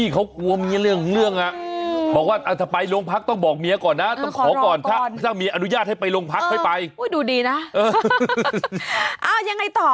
เขากลัวมีเรื่องอะ